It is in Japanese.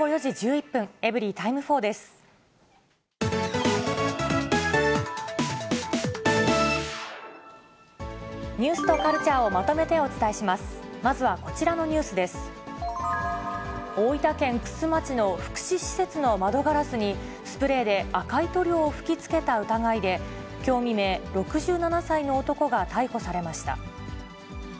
大分県玖珠町の福祉施設の窓ガラスに、スプレーで赤い塗料を吹きつけた疑いで、きょう未明、６７歳の男が逮捕されました。